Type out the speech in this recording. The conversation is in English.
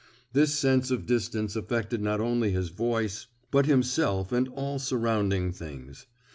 This sense of distance affected not only his voice, but himself and all surrounding things.